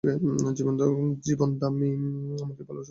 জীবন দামী, এমনকি ভালোবাসার চেয়েও।